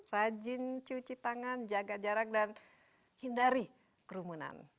rajin cuci tangan jaga jarak dan hindari kerumunan